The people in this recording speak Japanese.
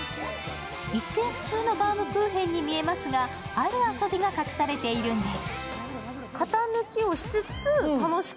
一見、普通のバウムクーヘンに見えますが、ある遊びが隠されているんです。